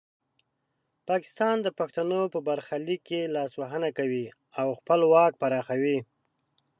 پاکستان د پښتنو په برخلیک کې لاسوهنه کوي او خپل واک پراخوي.